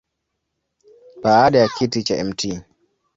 Baada ya kiti cha Mt.